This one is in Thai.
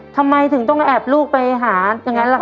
ทำไมถึงต้องแอบลูกไปหาอย่างนั้นล่ะค